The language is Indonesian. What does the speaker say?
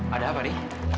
ada apa ri